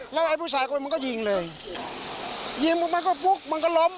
แล้วไอ้ผู้ชายมันก็ยิงเลยยิงแล้วมันก็พุกมันก็ล้ม